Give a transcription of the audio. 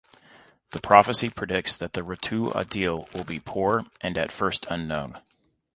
The prophecy predicts that the Ratu Adil will be poor and at first unknown.